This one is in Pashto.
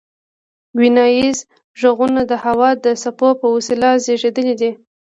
ویناییز غږونه د هوا د څپو په وسیله زیږیدلي دي